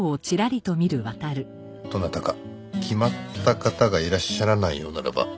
どなたか決まった方がいらっしゃらないようならばぜひ。